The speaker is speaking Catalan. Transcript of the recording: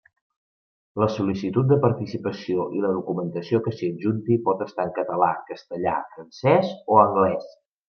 La sol·licitud de participació i la documentació que s'hi adjunti pot estar en català, castellà, francès o anglès.